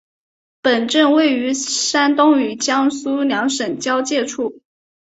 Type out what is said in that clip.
本镇位于山东与江苏两省交界处。